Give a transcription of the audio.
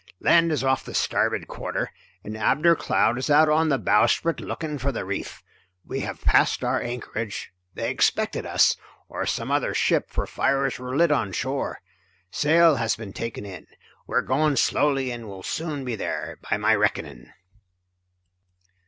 "Land is off the starboard quarter, and Abner Cloud is out on the bowsprit looking for the reef. We have passed our anchorage they expected us, or some other ship, for fires were lit on shore. Sail has been taken in; we are going slowly and will soon be there, by my reckoning."